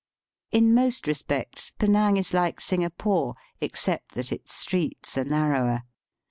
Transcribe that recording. In most respects Penang is like Singapore, except that its streets are narrower.